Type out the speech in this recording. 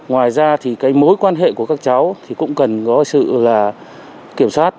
ngoài ra thì cái mối quan hệ của các cháu thì cũng cần có sự là kiểm soát